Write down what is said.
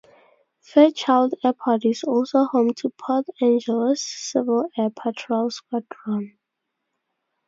Fairchild Airport is also home to Port Angeles' Civil Air Patrol squadron.